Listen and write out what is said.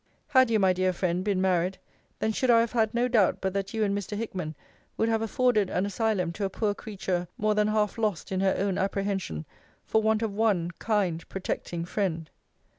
Had you, my dear friend, been married, then should I have had no doubt but that you and Mr. Hickman would have afforded an asylum to a poor creature more than half lost in her own apprehension for want of one kind protecting friend!